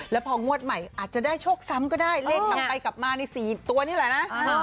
แล้วพองวดใหม่อาจจะได้โชคซ้ำก็ได้เลขกลับไปกลับมาใน๔ตัวนี่แหละนะ